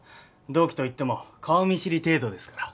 同期といっても顔見知り程度ですから。